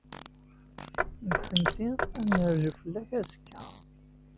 Nekkenti ad nerzu fell-ak azekka.